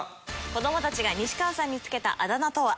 子どもたちが西川さんに付けたあだ名とは？